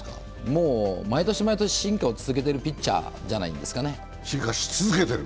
もう毎年毎年進化を続けてるピッチャーだと思いますよ。